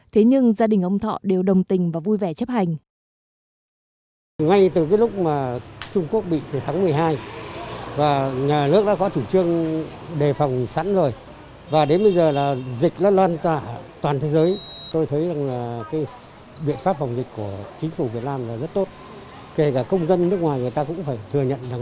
thế nhưng gia đình ông thọ đều đồng tình và vui vẻ chấp hành